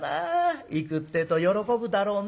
行くってえと喜ぶだろうね。